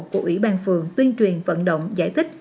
của ủy ban phường tuyên truyền vận động giải thích